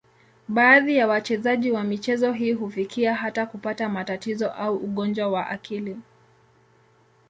Baadhi ya wachezaji wa michezo hii hufikia hata kupata matatizo au ugonjwa wa akili.